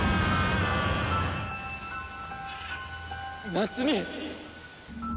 夏美！